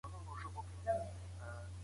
لويه جرګه تل هېواد ته سياسي ثبات بخښي.